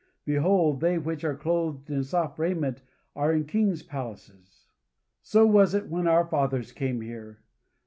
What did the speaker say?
Behold they which are clothed in soft raiment are in kings' palaces." So was it when our fathers came here.